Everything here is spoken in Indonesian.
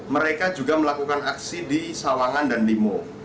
mereka juga melakukan aksi di sawangan dan timur